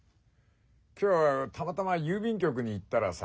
今日たまたま郵便局に行ったらさ